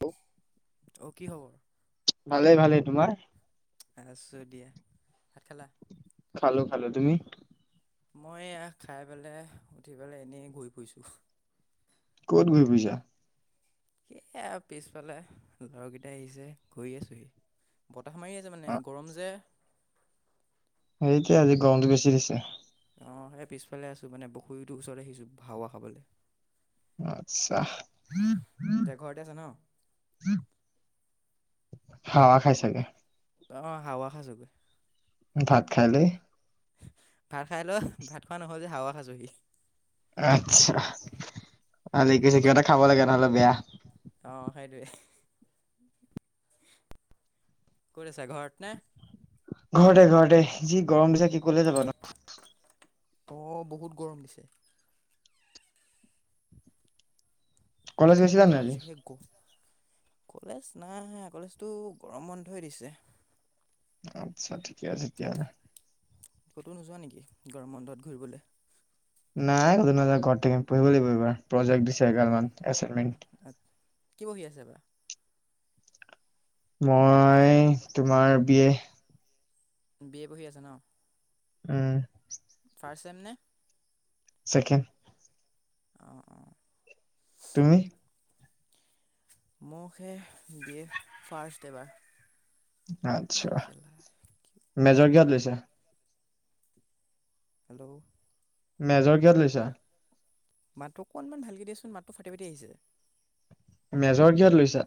Hello. অহ' কি খবৰ? ভালে তোমাৰ? আছোঁ দিয়া। ভাত খালা? খালো, খালো। তুমি? মই এয়া খাই পেলাই, উঠি পেলাই, এনেই ঘূৰি ফুৰিছোঁ। ক'ত ঘূৰি ফুৰিছা? সেয়া পিছফালে, লগত কেইটাই আহিছে ঘূৰি আছোহি। সোমাই আছে অ মানে গৰম যে। সেইটোয়ে আজি গৰমটো বেছি দিছে। অহ' সেই পিছফালে আছোঁ। মানে পখুৰীটোৰ ওচৰত আহিছোঁ হাৱা খাবলৈ। আচ্ছা। এতিয়া ঘৰতে আছা ন? হাৱা খাই চাগে। অ হাৱা খাইছোগে। ভাত খালি? ভাত খাই লৈ, ভাত খোৱা নহ'ল যে হাৱা খাইছোঁহি। আচ্ছা। ভলে কৈছে কিবা ক'ত এটা খাব লাগে নহ'লে বেয়া। অঁ সেইটোৱে। ক'ত আছা, ঘৰত নে? ঘৰতে ঘৰতে, যি গৰম দিছা কি কলৈ যাবা নোৱাৰি। অহ' বহুত গৰম দিছে। কলেজ গৈছিলা বা নে নাই আজি? আজিহে গ কলেজ নাই, কলেজটো গৰম বন্ধই দিছে। আচ্ছা ঠিকে আছে তেতিহলে। ক'তো নোযোৱা নেকি? গৰম বন্ধত ঘূৰিবলে। নাই আজি নাজাও ঘৰত থাকিম। পঢ়িব লাগিব এইবাৰ প্ৰজেক্ট দিছে এগালমান আ কি পঢ়ি আছে এইবাৰ? মই তোমাৰ বি এ। বি এ পঢ়ি আছা ন। উম'। ফাৰ্ষ্ট চেম নে? চেকেণ্ড। অঁ, অঁ। তুমি? মোক সে বি এ ফাৰ্ষ্ট এবাৰ। এই আত্ছা কেলা মেজৰ কিহত লৈছে? হেল্ল'? মেজৰ কিহযত লৈছা? মাতটো অকণমান ভালকৈ দিয়াচোন, মাতটো ফাটি ফাটি আহিছে। মেজৰ কিহত লৈছা?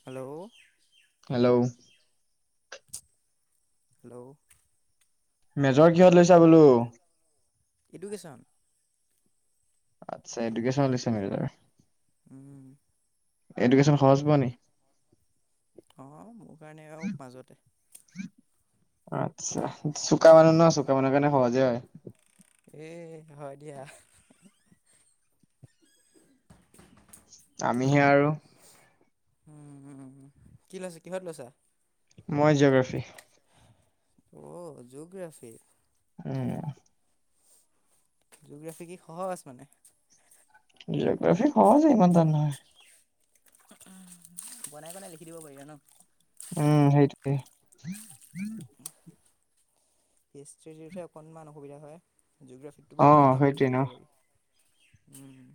হেল্ল'। হেল্ল'। হেল্ল'? মেজৰ কিহত লৈছা বোলো? এডুকেশ্বন। আচ্ছা, এডুকেশ্বনত লৈছো মেজৰ! উম। এডুকেশ্বন সহজ পোৱা নি? অঁ, মোৰ কাৰণে আৰু মাজতে। আচ্ছা, চোকা মানুহ নহ, চোকা মানুহৰ কাৰণে সহজে হয়। এ হয় দিয়া। আমিহে আৰু উম, উম, কি লৈছা? কিহত লৈছা? মই জিঅ'গ্ৰাফি। অ', জিঅ'গ্ৰাফি! উম। জিঅ'গ্ৰাফী কি সহজ মানে? জিঅ'গ্ৰাফি সহজে, ইমান টান নহয়। বনাই বনাই লিখি দিব পাৰি ন? উম, হেইটোৱে। হিষ্টৰীটোতহে অকনমান অসুবিধা হয়। জিঅ'গ্ৰাফীটো অ বাৰু বনাই কৰি সেইটোৱে ন। লিখি দিব পাৰি। উম।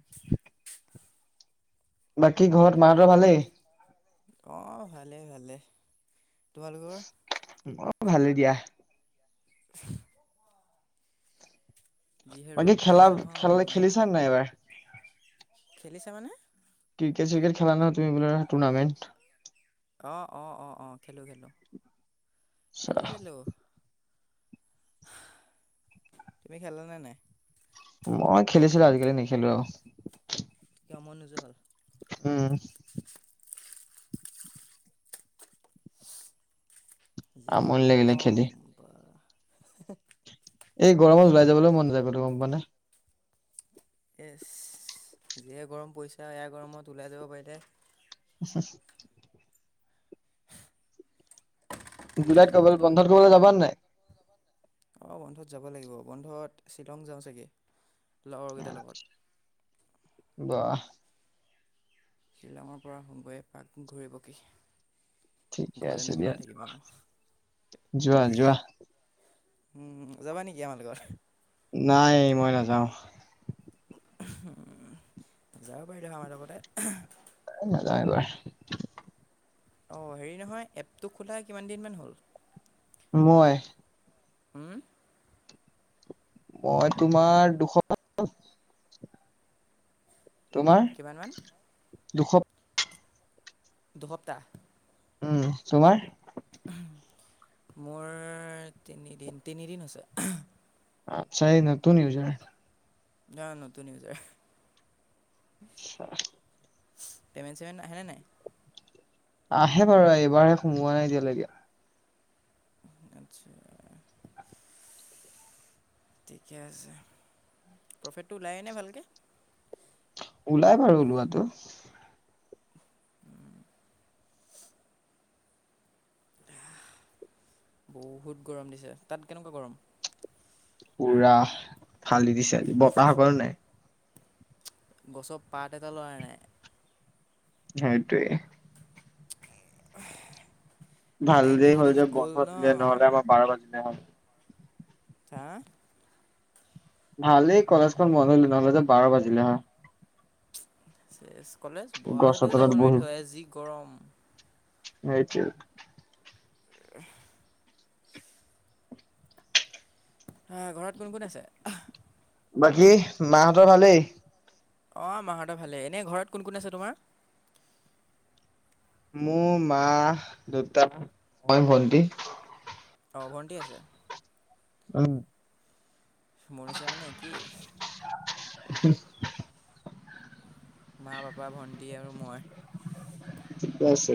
বাকী ঘৰত মাহঁতৰ ভালেই? অ', ভালেই ভালেই। তোমালোকৰ? ভালে দিয়া। [unintelligible] যিহে বাকি ৰ'দ খেলা, পৰিছে খেল নহয়। খেলিছ নাই এবাৰ? খেলিছা মানে? ক্ৰিকেট চ্ৰিকেট খেলা নহয় তুমি, টৰ্নামেট। অ', অ', অ', অ', খেলো খেলো। আচ্ছা, খেলিছিলো। তুমি খেলানে নাই? মই খেলিছিলো আজিকালি নেখেলো আৰু। কিয় মন নোযোৱা হল? উম। যিহে আমনি লাগিলে খেলি। গৰম, বা। এই গৰমত ওলাই যাবলৈ মন নাযায় কতো গম পোৱা নে? ইছ, যিয়ে গৰম পৰিছে এয়া গৰমত ওলাই যাব পাৰিলে [unintelligible] জুলাইত কৰবালে, বন্ধত কৰিবলৈ যাবা নাই? অঁ, বন্ধত যাব লাগিব বন্ধত শ্বিলং যাওঁ চাগে। লগৰকেইটাৰ লগত। বাহ! শ্বিলঙৰ পৰা আহাংগৈ এপাক ঘূৰিব পকি। ঠিকে আছে ঘৰতেনো দিয়া, কিমান থাকিম আৰু যোৱা, যোৱা। উম, যাবা নেকি আমাৰ লগত? নাই, মই নাযাওঁ। যাব পাৰিলা হয়, আমাৰ লগতে। এ নাযাওঁ এইবাৰ। অঁ, হেৰি নহয় এপটো খোলা কিমান দিনমান হ'ল? মই? উম? মই তোমাৰ দুশ [unintelligible] কিমানমান? দুশপ দুসপ্তাহ। উম, তোমাৰ? মোৰ তিনিদিন, তিনিদিন হৈছে। আচ্ছা, এ নতুন ইউজাৰ। ন, নতুন হৈ যায়। [inaudible] পেমেণ্ট-চেমেণ্ট আহেনে, নাই? আহে বাৰু, এইবাৰহে সোমোৱা নাই এতিয়ালৈকে। আচ্ছা। ঠিকে আছে, প্ৰফিটটো ওলায়েনে ভালকে? ওলাই বাৰু ওলোৱাটো। বহুত গৰম দিছে, তাত কেনেকুৱা গৰম? পুৰা, ফালি দিছে আজি, বতাহ অকনো নাই। গছৰ পাত এটা, লৰা নাই। সেইটোৱেই। [inaudible] ভাল দে লাইনটো হ'ল যদি যে, গ'ল বন্ধ ন দিলে নহ'লে আমাৰ বাৰ বাজিলে হয়। হা ভালেই কলেজখন বন্ধ হলে নহ'লে যে বাৰ বাজিলে হা কলেজ বহা গছৰ সৈতেও যাব নোৱাৰিলো হয় যি গৰম সেইটোৱ উ হ ঘৰত কোন কোন আছে বাকী মাহঁতৰ ভালেই আহ মাহঁত ভালে এনে ঘৰত কোন কোন আছে তোমাৰ মোৰ মা দেউতা মই ভন্টি অঁ ভণ্টি আছে উম মোৰ নিচিনা মানে একে মা পাপা ভণ্টি আৰু মই থিকে আছে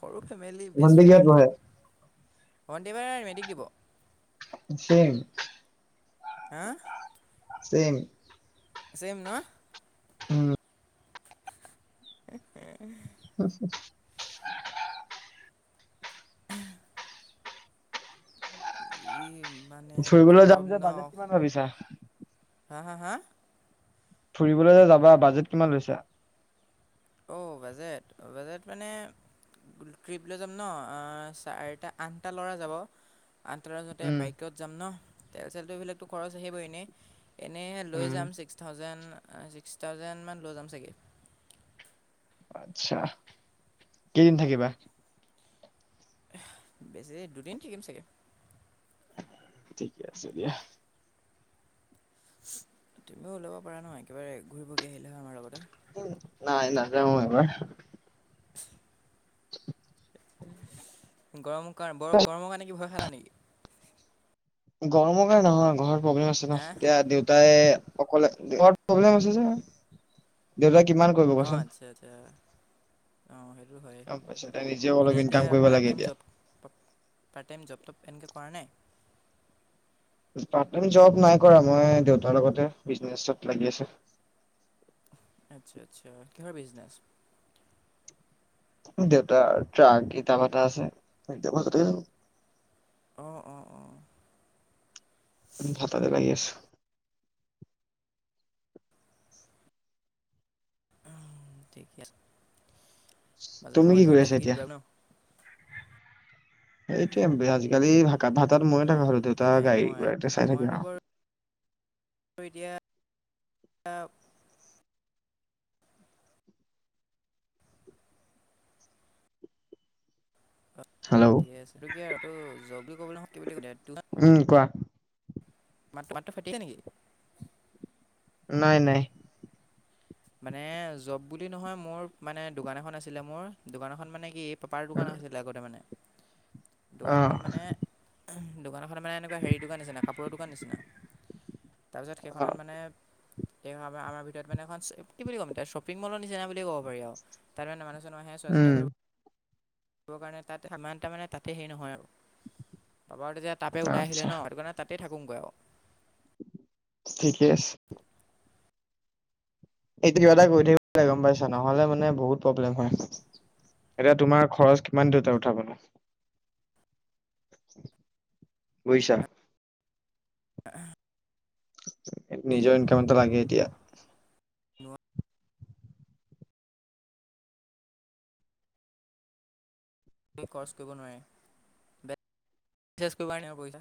সৰু ফেমিলি বেষ্ট ভণ্টি কিহত ফেমিলি পঢ়ে? ভন্টি এইবাৰ মেট্ৰিক দিব চেম হা চেইম চেম ন উম [unintelligible] উহ এই ফুৰিবলৈ যাম যে বাজেট কিমান ভাবিছা? হা হা হা ফুৰিবলৈ যে যাবা বাজেট কিমান লৈছা? অ বাজেট, বাজেট মানে ট্ৰিপ লৈ যাম ন চাৰিটা আঠটা ল'ৰা যাব। আঠটা ল'ৰা উম বাইকত যাম ন তেল চলটো এইবিলাকতো খৰচ আহিবই এনে এনেই লৈ উম যাম ছিক্স থাউজেণ্ড ছিক্স থাউজেণ্ড মান লৈ যাম চাগে। আচ্ছা কেইদিন থাকিবা। বেছি দুদিন থিকিম চাগে। ঠিকে আছে দিয়া। তুমিও ওলাব পাৰা নহয়। একেবাৰে ঘূৰিপকি আহিলে। হয় আমাৰ লগতে নাই নাযাও এবাৰ। [unintelligible] গৰমৰ কাৰণে ব গৰমৰ কাৰণে কি ভয় খালা নেকি? গৰমৰ কাৰণে নহয়। ঘৰত প্ৰব্লেম আছে ন, হা এতিয়া দেউতাই অকলে ঘৰত প্ৰব্লেম আছে যে। দেউতাক অ আচ্ছা আচ্ছা অ সেইটো হয়। গম পাইছা তাই নিজেও অলপ এনেই ইনকাম এতিয়া কৰিব পাৰ্ট লাগে টাইম এতিয়া। জব, পাৰ্ট টাইম জব টোব সেনেকৈ কৰা নাই? পাৰত টাইম জব নাই কৰা মই দেউতাৰ লগতে বিজনেচত লাগি আছো। আটচ্চা। আটচ্চাঁ। কিহৰ বিজনেচ? দেউতাৰ ট্ৰাক ইটাভাটা আছে। অ অ অ ভাতাতে লাগি আছো। উম। থিকে আছে। মাজে তুমি সময়ে কি তুমিও কৰি লাগি আছা এতিয়া? দিবা ন সেইটো বে আজিকালি ভাত ভাতাত ময়ে থাকা হল দেউতা একো নাই গাডী মই ঘোৰা চাই থাকে মইতো আৰু। বাৰু এতিয়া হেল্ল' ঠিকে আছে ত কিয় আৰু যব বুলি ক'বলৈ [unintelligible] উম কোৱা মাটো ফাটিচে নেকি? নাই। নাই। মানে জব বুলি নহয়, মোৰ মানে দোকান এখন আছিলে মোৰ দোকানখন মানে কি পাৰ দোকান আছিলে আগতে মানে। অ দোকানখন মানে দোকানখন মানে এনেকুৱা হেৰিৰ দোকান নিচিনা, কাপোৰৰ দোকান নিচিনা। তাৰপিছত অ সেইখনত মানে আমাৰ আমাৰ ভিতৰত মানে এখন কি বুলি ক'ম শ্বপিং মলৰ নিচিনা বুলি ক'ব পাৰি আৰু তাত মানে মান হেনো চোৱা চিতা উম কৰিব দিবৰ কাৰণে তাত সমান তা মানে তাতে সেইৰি নহয় আৰু। তাৰ পাৰা তেতিয়া তাপে ওলাই আহিলে আচ্ছা ন সেই কাৰণে তাতে থাকোঁগৈ আৰু [unintelligible] ঠিকেই আছে। এইটো কিবা এটা গৈ থাকিবে গম পাইছা। নহলে মানে বহুত প্ৰব্লেম হয়। এতিয়া তোমাৰ খৰচ কিমান দেউতা উঠাবলৈ ন। বুজিছা? আহ নিজৰ ইনকামত লাগে এতিয়া। ন [unintelligible] কৰ্চ কৰিব নোৱাৰে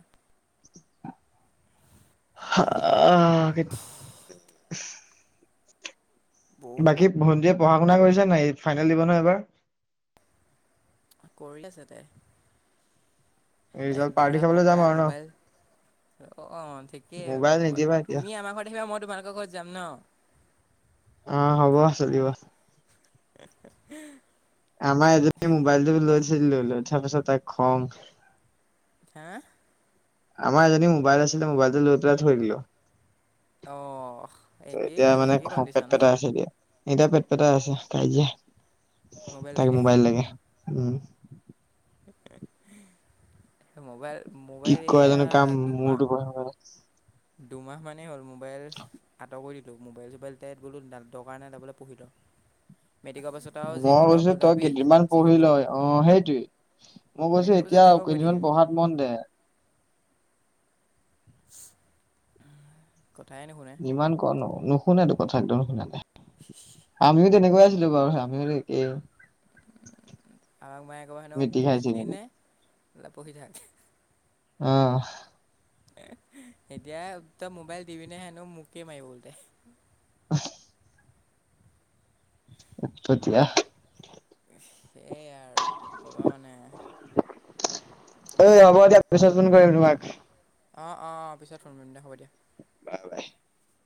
[unintelligible] হাআ বহুত বাকী ভণ্টীয়ে পঢ়া-শুনা কৰিছেনে নাই? ফাইনেল দিব নহয় এইবাৰ। কৰি আছে তাই। ৰিজাল্ট, পাৰ্টি খাবলৈ যাম আৰু ন। অ', অ', ঠিকেই, মোবাইল নিদিবা এতিয়া তুমি আমাৰ ঘৰত আহিবা মই তোমাৰ [unintelligible] ঘৰত যাম নহ? অ', হ'ব [unintelligible] [unintelligible] আমাৰ এজন মোবাইলটো লৈছিল লৈই থকাৰ পাছা তাক খং। হা? আমাৰ এজনী মোবাইল আছিলে, মোবাইলতে লৈ পিনে থৈ দিলো। অ একে এতিয়া আৰু মানে একে খং পেট কণ্ডিচন। পেটাই আছে এতিয়া এতিয়া পেট পেত আছে, কাজিয়া তাক মোবাইল লাগে। উম। মোবাইল কি মোবাইল কৰে এয়া জানো কাৰ দুমাহ মূৰটো পঢ়ে জা দুমাহ মানেই হ'ল মোবাইল আঁতৰ কৰি দিলো, মোবাইল চোবাইল বোলো দৰকাৰ নাই [unintelligible] পঢ়ি ল'। [inaudible] পাছত আৰু যি মই ফুল কৈছো, ফুল তই থাকিবি কেইদিনমান যি কৰ পঢ়ি ল' কৰি থাকিবি অ', সেইটোৱে। মই কৈছো, মেট্ৰিকৰ পাছত যি এতিয়া কৰ কৰি কেইদিমান থাকিবি পঢ়াত মন দে। [unintelligible] নুশুনে ইমান [unintelligible] নুশুনেতো কথা [unintelligible] নুশুনে আমিও তেনেকুৱাই আছিলো বাৰু, আমিও একেই। আমাক মায়ে ক'ব হেনো মিতি খাইছিলো পঢ়িলি নে, পঢ়ি থাক। অহ। এতিয়া তই মোবাইল টিভি [unintelligible] হেনো মোকে মাৰিব [unintelligible] [unintelligible] [unintelligible] সেইয়াই আৰু, কি ক'বা মানে এ হ'ব দিয়া, পিছত ফোন কৰিম তোমাক। অ', অ', পিছত ফোন দিয়া, হ'ব দিয়া। [unintelligible]